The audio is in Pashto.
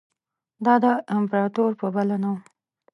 دا د امپراطور په بلنه وو.